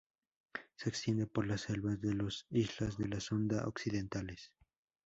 Se extiende por las selvas de las islas de la Sonda occidentales.